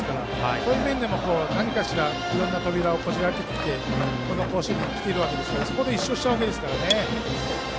そういう面でも何かしらいろんな扉をこじ開けてこの甲子園に来てるわけですからそこで１勝してますからね。